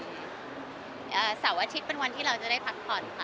เสาร์อาทิตย์เป็นวันที่เราจะได้พักผ่อนค่ะ